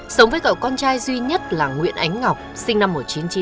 sống với cậu con trai duy nhất là nguyễn ánh ngọc sinh năm một nghìn chín trăm chín mươi